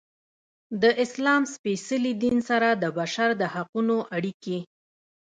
د اسلام سپیڅلي دین سره د بشر د حقونو اړیکې.